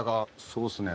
そうですね